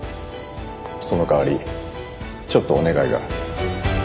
その代わりちょっとお願いが。